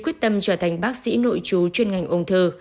quyết tâm trở thành bác sĩ nội chú chuyên ngành ung thư